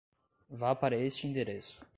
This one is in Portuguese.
Vá para este endereço.